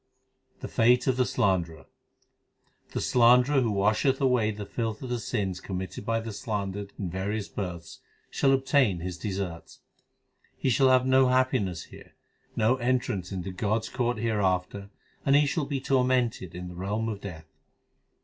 The fate of the slanderer : The slanderer who washeth away the filth of the sins committed by the slandered in various births, shall obtain his deserts. He shall have no happiness here, no entrance into God s court hereafter, and he shall be tormented in the realm of Death.